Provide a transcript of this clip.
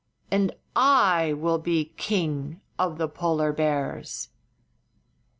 And I will be King of the Polar Bears."